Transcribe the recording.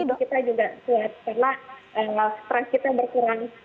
dan daya tahan tubuh kita juga kuat karena stress kita berkurang